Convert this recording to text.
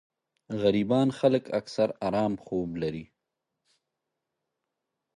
غريبان خلک اکثر ارام خوب لري